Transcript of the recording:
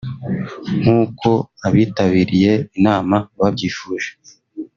nk’uko abitabiriye inama babyifuje